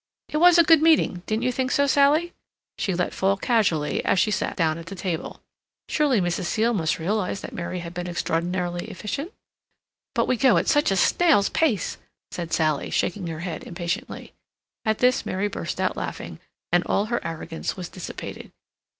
"It was a good meeting—didn't you think so, Sally?" she let fall, casually, as she sat down at the table. Surely Mrs. Seal must realize that Mary had been extraordinarily efficient? "But we go at such a snail's pace," said Sally, shaking her head impatiently. At this Mary burst out laughing, and all her arrogance was dissipated.